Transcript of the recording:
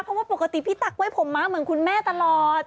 เพราะว่าปกติพี่ตั๊กไว้ผมม้าเหมือนคุณแม่ตลอด